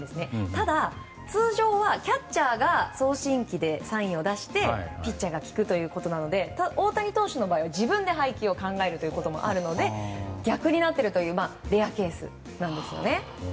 ただ、通常はキャッチャーが送信機でサインを出してピッチャーが聞くということなので大谷投手の場合は自分で配球を考えるということもあるので逆になっているというレアケースなんですよね。